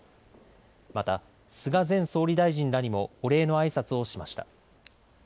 また菅前総理大臣らにもお礼のあいさつをしました。